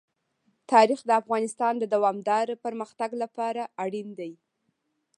تاریخ د افغانستان د دوامداره پرمختګ لپاره اړین دي.